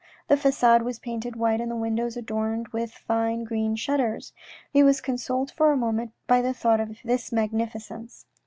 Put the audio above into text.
The facade was painted white and the windows adorned with fine green shutters. He was consoled for a moment by the thought of this magnificence.